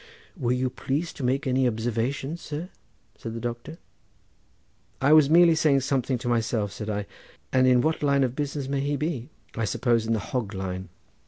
"Were you pleased to make any observation, sir?" said the doctor. "I was merely saying something to myself," said I. "And in what line of business may he be? I suppose in the hog line."